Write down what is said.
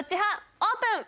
オープン！